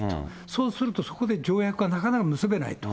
そうするとそこで条約がなかなか結べないと。